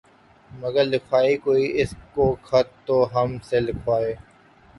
مگر لکھوائے کوئی اس کو خط تو ہم سے لکھوائے